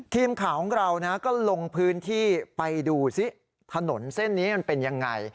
ทีมข่าวของเราก็ลงพื้นที่ไปดูซิถนนเส้นนี้มันเป็นยังไง